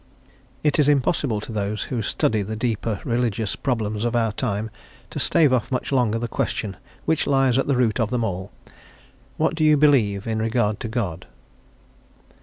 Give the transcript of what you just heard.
IT is impossible for those who study the deeper religious; problems of our time to stave off much longer the question which lies at the root of them all, "What do you believe in regard to God?"